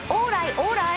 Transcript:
オーライ！